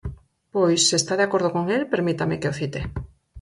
Pois, se está de acordo con el, permítame que o cite.